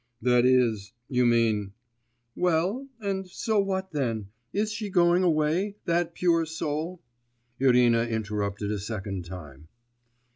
'That is, you mean ' 'Well, and so what then? Is she going away, that pure soul?' Irina interrupted a second time.